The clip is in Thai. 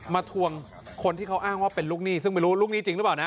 ทวงคนที่เขาอ้างว่าเป็นลูกหนี้ซึ่งไม่รู้ลูกหนี้จริงหรือเปล่านะ